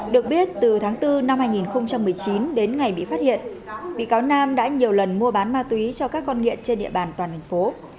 được biết từ tháng bốn năm hai nghìn một mươi chín đến ngày bị phát hiện bị cáo nam đã nhiều lần mua bán ma túy cho các con nghiện trên địa bàn toàn thành phố